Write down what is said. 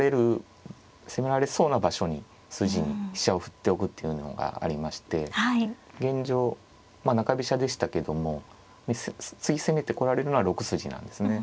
攻められそうな場所に筋に飛車を振っておくっていうのがありまして現状まあ中飛車でしたけども次攻めてこられるのは６筋なんですね。